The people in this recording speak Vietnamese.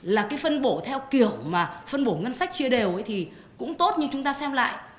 là cái phân bổ theo kiểu mà phân bổ ngân sách chia đều thì cũng tốt nhưng chúng ta xem lại